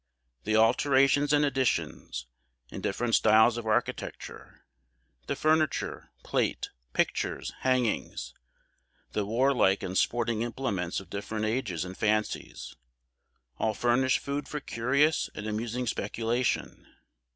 The alterations and additions, in different styles of architecture; the furniture, plate, pictures, hangings; the warlike and sporting implements of different ages and fancies; all furnish food for curious and amusing speculation.